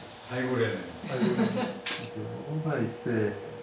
はい。